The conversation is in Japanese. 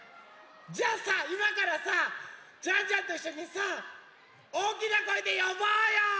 じゃあさいまからさジャンジャンといっしょにさおおきなこえでよぼうよ！